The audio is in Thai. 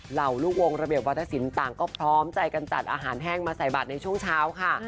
เหล่าลูกวงระเบียบวัฒนศิลปต่างก็พร้อมใจกันจัดอาหารแห้งมาใส่บัตรในช่วงเช้าค่ะ